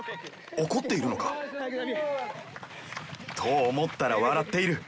怒っているのか？と思ったら笑っている。